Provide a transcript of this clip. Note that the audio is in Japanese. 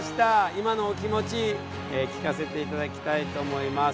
今のお気持ち聞かせて頂きたいと思います。